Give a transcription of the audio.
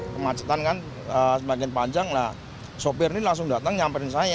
kemacetan kan semakin panjang lah sopir ini langsung datang nyamperin saya